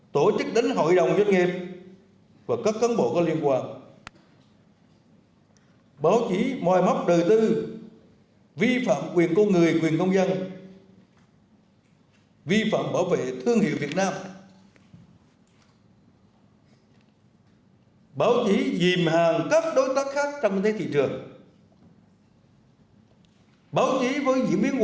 thống tiền dân nghiệp dùng phí hàng năm để bảo vệ